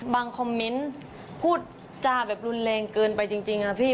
คอมเมนต์พูดจาแบบรุนแรงเกินไปจริงนะพี่